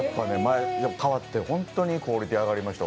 変わって本当にクオリティーが上がりました。